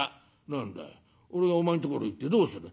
「何だい俺がお前んところ行ってどうする」。